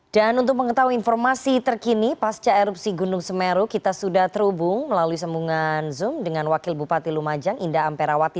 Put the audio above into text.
dan untuk mengetahui informasi terkini pasca erupsi gunung semeru kita sudah terhubung melalui sembungan zoom dengan wakil bupati lumajang indah amperawati